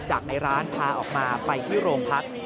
จากในร้านพาออกมาไปที่โรงพัก